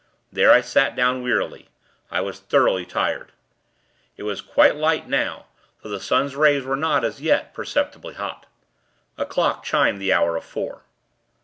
There, I sat down, wearily. I was thoroughly tired. It was quite light now; though the sun's rays were not, as yet, perceptibly hot. A clock chimed the hour of four.